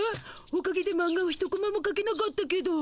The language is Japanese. おかげでマンガは一コマもかけなかったけど。